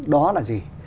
đó là gì